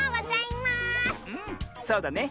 そうだね。